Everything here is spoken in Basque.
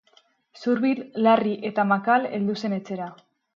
Zurbil, larri eta makal heldu zen etxera.